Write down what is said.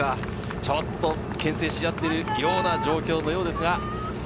ちょっと牽制し合っているような状況のようですが。